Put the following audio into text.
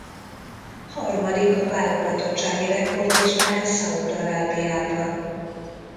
Harmadik a válogatottsági rekord listán Szaúd-Arábiában.